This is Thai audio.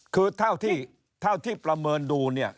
คือเท่าที่ประเมินดูเนี่ย